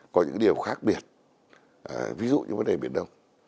có những điều khác biệt ví dụ như vấn đề biển đông